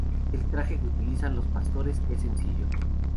El traje que utilizan los pastores, es sencillo.